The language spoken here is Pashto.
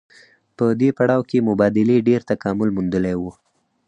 په دې پړاو کې مبادلې ډېر تکامل موندلی وو